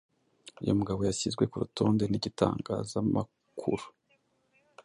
uyu mugabo yashyizwe ku rutonde n'igitangazamakuru